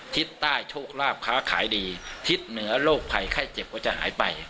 ทิศใต้โชคลาภค้าขายดีทิศเหนือโรคภัยไข้เจ็บก็จะหายไป